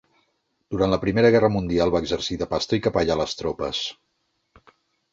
Durant la Primera Guerra Mundial va exercir de pastor i capellà a les tropes.